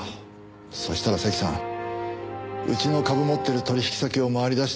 そしたら関さんうちの株持ってる取引先を回りだして。